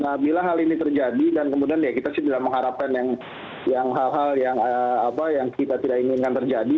nah bila hal ini terjadi dan kemudian ya kita sih tidak mengharapkan yang hal hal yang kita tidak inginkan terjadi